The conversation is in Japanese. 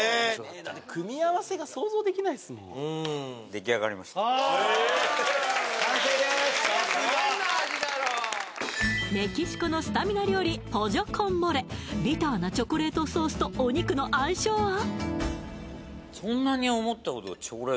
できあがりましたメキシコのスタミナ料理ポジョ・コン・モレビターなチョコレートソースとお肉の相性は？